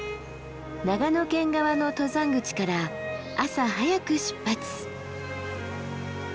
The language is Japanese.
長野県側の登山口から朝早く出発。